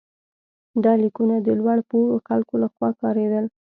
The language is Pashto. دا لیکونه د لوړ پوړو خلکو لخوا کارېدل.